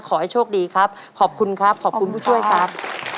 ขอให้โชคดีครับขอบคุณครับขอบคุณผู้ช่วยครับ